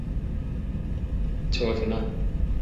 苏军指挥员与匈牙利起义者经常停火谈判。